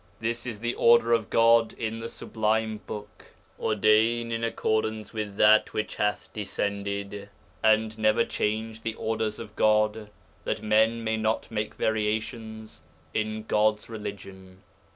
'This is the order of God in the Sublime Book; ordain in accordance with that which hath descended, and never change the orders of God, that men may not make variations in God's religion.'